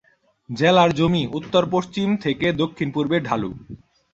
জেলার জমি উত্তর-পশ্চিম থেকে দক্ষিণ-পূর্বে ঢালু।